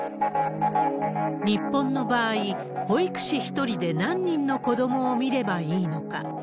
日本の場合、保育士１人で何人の子どもを見ればいいのか。